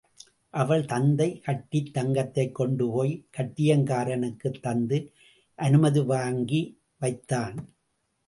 அவள் தந்தை கட்டித் தங்கத்தைக் கொண்டு போய்க் கட்டியங்காரனுக்குத் தந்து அனுமதி வாங்கி வைத்தான்.